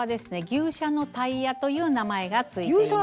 「牛車のタイヤ」という名前が付いています。